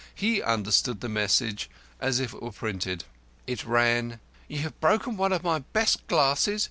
He understood the message as if it were printed. It ran: "You have broken one of my best glasses.